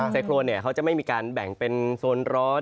ไซโครนเขาจะไม่มีการแบ่งเป็นโซนร้อน